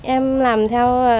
em làm theo tùy